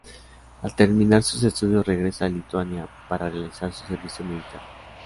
Al terminar sus estudios regresa a Lituania para realizar su servicio militar.